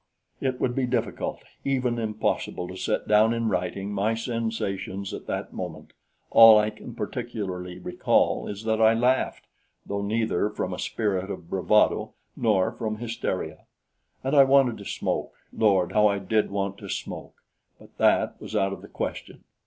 It would be difficult, even impossible, to set down in writing my sensations at that moment. All I can particularly recall is that I laughed, though neither from a spirit of bravado nor from hysteria. And I wanted to smoke. Lord! how I did want to smoke; but that was out of the question.